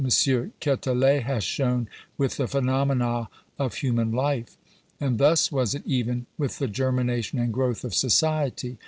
Quetelet has shown, with the phenomena of human life. And thus was it even with the germination and growth of society.